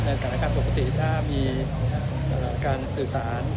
ในโรงสังคัญปกติถ้ามีการสื่อสาร